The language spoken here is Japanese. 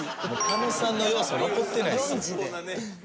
狩野さんの要素残ってないですよ。